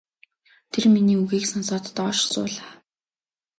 Тэр миний үгийг сонсоод доош суулаа.